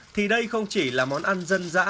thì đây không chỉ là món ăn dân dã